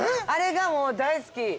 あれがもう大好き。